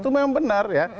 itu memang benar